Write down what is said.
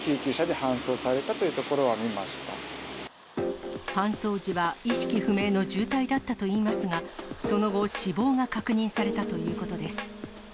搬送時は意識不明の重体だったといいますが、その後、死亡が確認されたということです。